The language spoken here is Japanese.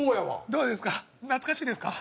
どうですか？